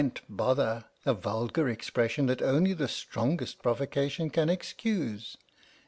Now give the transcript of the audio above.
— a vulgar expression that only the strongest provocation can excuse.